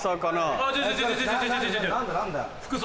何だよ？